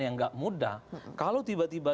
yang gak mudah kalau tiba tiba